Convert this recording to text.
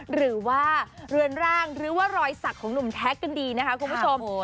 หรือว่าเรือนร่างหรือว่ารอยสักของหนุ่มแท็กกันดีนะคะคุณผู้ชม